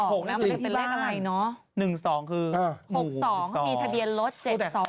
มันจะเป็นเลขอะไรเนอะหนึ่งสองคือหกสองมีทะเบียนรถเจ็ดสอง